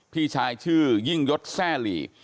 พี่ชายชื่อยิ่งยศแซ่หลี